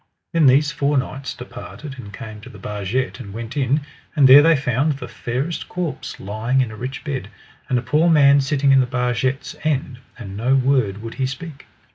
Then these four knights departed and came to the barget and went in; and there they found the fairest corpse lying in a rich bed, and a poor man sitting in the barget's end, and no word would he speak.